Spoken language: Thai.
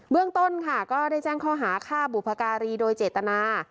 เรื่องต้นค่ะก็ได้แจ้งข้อหาฆ่าบุพการีโดยเจตนา